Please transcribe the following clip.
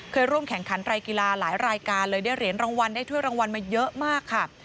ร่วมแข่งขันรายกีฬาหลายรายการเลยได้เหรียญรางวัลได้ถ้วยรางวัลมาเยอะมากค่ะ